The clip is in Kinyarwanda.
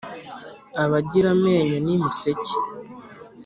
Abagira amenyo ni museke.